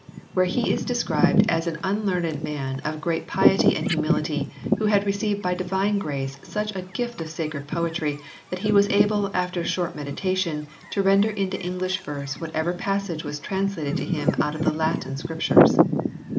24), where he is described as an unlearned man of great piety and humility who had received by divine grace such a gift of sacred poetry that he was able after short meditation to render into English verse what ever passage was translated to him out of the Latin Scriptures.